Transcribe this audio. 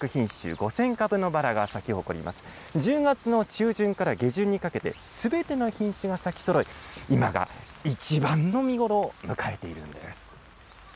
１０月の中旬から下旬にかけて、すべての品種が咲きそろい、今が一番の見頃を迎えているんです。